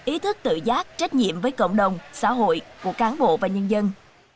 ý thức tự giác trách nhiệm với cộng đồng xã hội của cán bộ và nhân dân